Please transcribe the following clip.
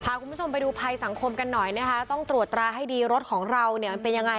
พาคุณผู้ชมไปดูภัยสังคมกันหน่อยนะคะต้องตรวจตราให้ดีรถของเราเนี่ยมันเป็นยังไง